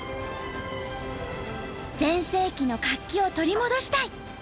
「全盛期の活気を取り戻したい！」